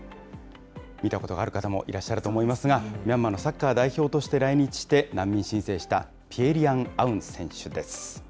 見たことがある方もいらっしゃるかと思いますが、ミャンマーのサッカー代表として来日して難民申請したピエ・リアン・アウン選手です。